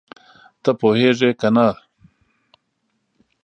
ته پوهېږې که نه؟